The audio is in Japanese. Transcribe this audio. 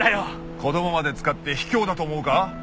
子供まで使って卑怯だと思うか？